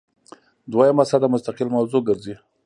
دویمه سطح مستقل موضوع ګرځي.